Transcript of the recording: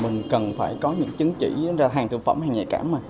mình cần phải có những chứng chỉ hàng thực phẩm hàng nhạy cảm